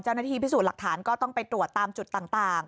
เจ้าหน้าที่พิสูจน์หลักฐานก็ต้องไปตรวจตามจุดต่าง